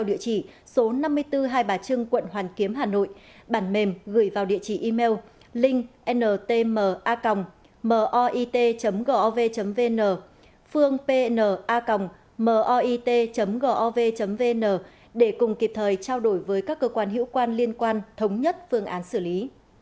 để cùng kịp thời trao đổi với các cơ quan hiệu quan liên quan thống nhất phương án xử lý